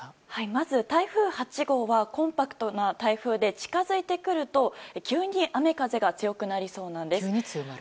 まず台風８号はコンパクトな台風で近づいてくると、急に雨風が強くなりそうなんです。